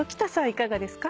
いかがですか？